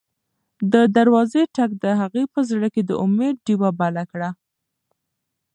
د دروازې ټک د هغې په زړه کې د امید ډېوه بله کړه.